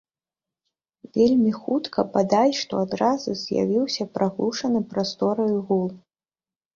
Вельмі хутка, бадай што адразу, з'явіўся прыглушаны прастораю гул.